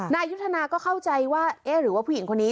นายยุทธนาก็เข้าใจว่าเอ๊ะหรือว่าผู้หญิงคนนี้